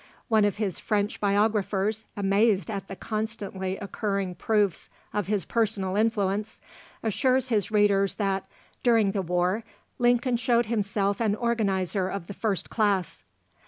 One of his French biographers, amazed at the constantly occurring proofs of his personal influence, assures his readers that, "during the war, Lincoln showed himself an organiser of the first class.